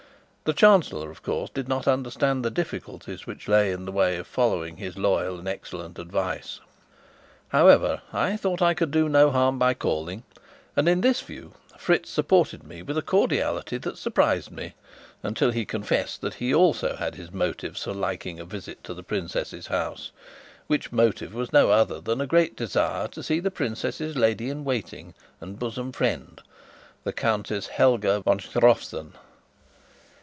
The Chancellor, of course, did not understand the difficulties which lay in the way of following his loyal and excellent advice. However, I thought I could do no harm by calling; and in this view Fritz supported me with a cordiality that surprised me, until he confessed that he also had his motives for liking a visit to the princess's house, which motive was no other than a great desire to see the princess's lady in waiting and bosom friend, the Countess Helga von Strofzin.